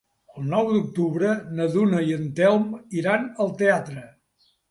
El nou d'octubre na Duna i en Telm iran al teatre.